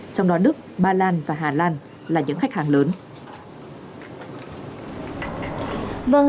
trong đó đức ba lan và hà lan là những khách hàng lớn